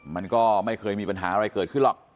มันก็ไม่เคยมีปัญหาอะไรเกิดขึ้นหรอก